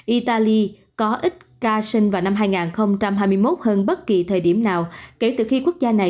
italy có ít ca sinh vào năm hai nghìn hai mươi một hơn bất kỳ thời điểm nào kể từ khi quốc gia này